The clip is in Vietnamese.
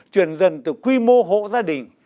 truyền dần từ quy mô hộ gia đình